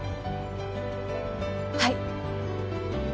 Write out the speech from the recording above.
はい。